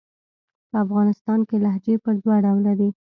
په افغانستان کښي لهجې پر دوه ډوله دي.